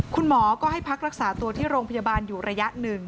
คุณหมอก็ให้พักรักษาตัวที่โรงพยาบาลอยู่ระยะหนึ่ง